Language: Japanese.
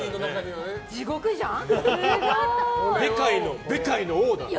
地獄じゃん？